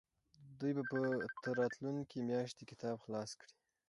دوی به تر راتلونکې میاشتې کتاب خلاص کړي.